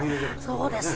そうですね。